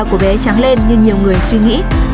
của bé trắng lên như nhiều người suy nghĩ